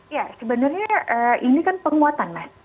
ya sebenarnya ini kan penguatan mas